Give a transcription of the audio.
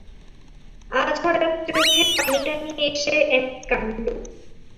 আজ হঠাৎ চোখে পানিটানি এসে এক কাণ্ড।